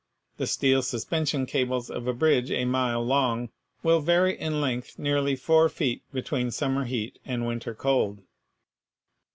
The steel suspension cables of a bridge a mile long will vary in length nearly four feet between summer heat and winter cold.